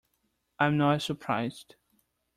I am not surprised.